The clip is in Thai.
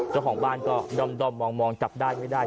เจ้าของบ้านก็ด้อมมองจับได้ไม่ได้